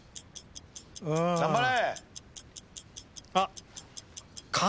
・頑張れ！